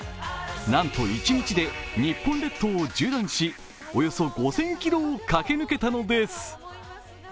なんと、一日で日本列島を縦断しおよそ５０００ｋｍを駆け抜けたのです。